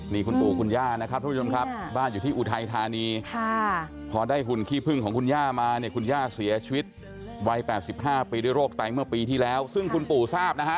นี่คุณปู่คุณย่านะครับทุกผู้ชมครับบ้านอยู่ที่อุทัยธานีพอได้หุ่นขี้พึ่งของคุณย่ามาเนี่ยคุณย่าเสียชีวิตวัย๘๕ปีด้วยโรคไตเมื่อปีที่แล้วซึ่งคุณปู่ทราบนะฮะ